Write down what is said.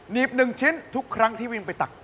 ีบ๑ชิ้นทุกครั้งที่วิ่งไปตัก